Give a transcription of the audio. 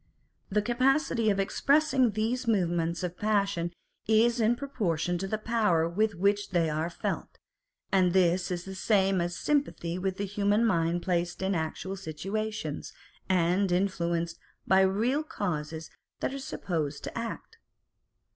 The capacity of ex pressing these movements of passion is in proportion to the power with which they are felt ; and this is the same as sympathy with the human mind placed in actual situations, and influenced by the real causes that are supposed to act.